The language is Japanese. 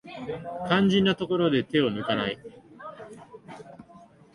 肝心なところで手を抜かない